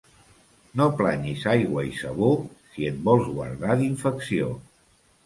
No planyis aigua i sabó, si et vols guardar d'infecció.